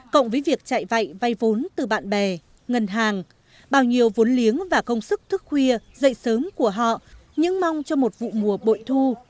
cộng với việc chạy vạy vay vốn từ bạn bè ngân hàng bao nhiêu vốn liếng và công sức thức khuya dậy sớm của họ những mong cho một vụ mùa bội thu